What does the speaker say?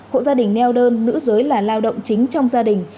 hộ gia đình neo đơn nữ giới là lao động chính trong gia đình